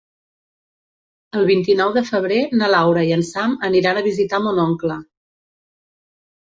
El vint-i-nou de febrer na Laura i en Sam aniran a visitar mon oncle.